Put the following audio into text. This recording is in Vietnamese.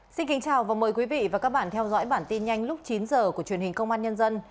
xin kính chào và mời quý vị và các bạn theo dõi bản tin nhanh lúc chín h của truyền hình công an nhân dân